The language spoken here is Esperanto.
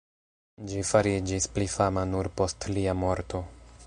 Ĝi fariĝis pli fama nur post lia morto.